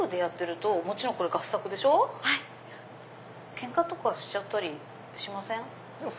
ケンカとかしちゃったりしません？